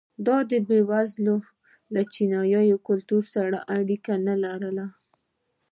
دا بېوزلي له چینايي کلتور سره اړیکه نه لرله.